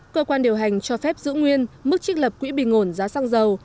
cơ quan điều hành cho phép giữ nguyên mức trích lập quỹ bình ổn giá xăng dầu